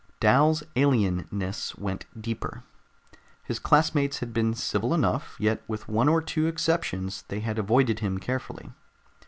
Dal's alienness went deeper. His classmates had been civil enough, yet with one or two exceptions, they had avoided him carefully.